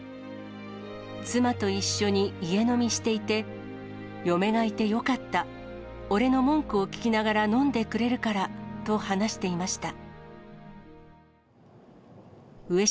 妻と一緒に家飲みしていて、嫁がいてよかった、俺の文句を聞きながら飲んでくれるからと話していました。